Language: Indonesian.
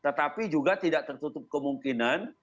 tetapi juga tidak tertutup kemungkinan